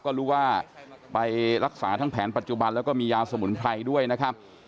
ก็รู้ว่าไปรักษาทั้งแผนปัจจุบันแล้วก็มียาสมุนไพรด้วยนะครับ